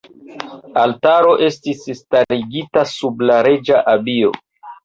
Altaro estis starigita sub la reĝa abio.